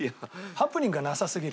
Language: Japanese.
ハプニングがなさすぎる。